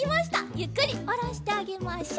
ゆっくりおろしてあげましょう。